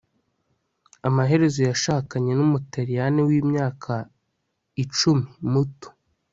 Amaherezo yashakanye numutaliyani wimyaka icumi muto